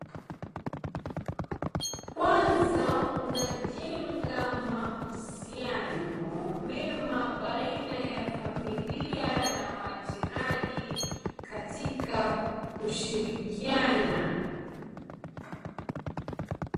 Kwanza unajenga mahusiano mema baina ya familia na majirani katika kushirikiana